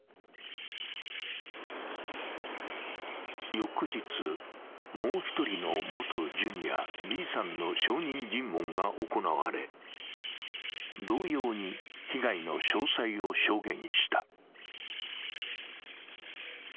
翌日、もう１人の元ジュニア、Ｂさんの証人尋問が行われ、同様に被害の詳細を証言した。